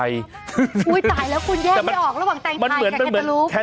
มิชุนา